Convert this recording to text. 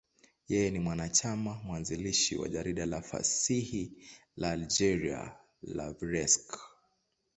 Yeye ni mwanachama mwanzilishi wa jarida la fasihi la Algeria, L'Ivrescq.